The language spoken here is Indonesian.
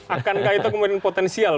akankah itu kemudian potensial